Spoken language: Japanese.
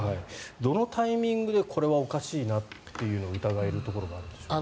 どのタイミングでこれはおかしいなっていうのを疑えるところがあるんでしょうか？